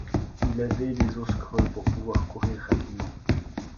Il avait des os creux pour pouvoir courir rapidement.